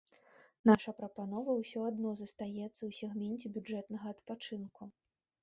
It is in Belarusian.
Наша прапанова ўсё адно застаецца ў сегменце бюджэтнага адпачынку.